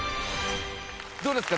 どうですか？